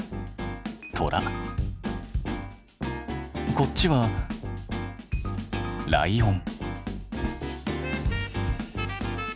こっちはライオン。